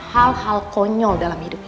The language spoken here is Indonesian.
hal hal konyol dalam hidup